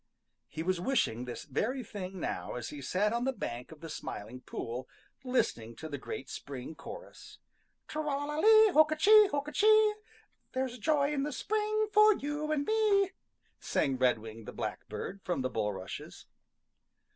He was wishing this very thing now, as he sat on the bank of the Smiling Pool, listening to the great spring chorus. "Tra la la lee! Oka chee! Oka chee! There's joy in the spring for you and for me." sang Redwing the Blackbird from the bulrushes.